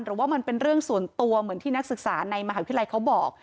หรือว่ามันเป็นเรื่องส่วนตัวเหมือนที่นักศึกษาในมหาวิทยาลัยเขาบอก